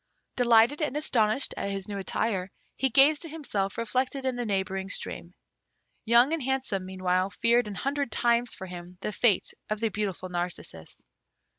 Delighted and astonished at his new attire, he gazed at himself reflected in the neighbouring stream. Young and Handsome, meanwhile, feared an hundred times for him the fate of the beautiful Narcissus.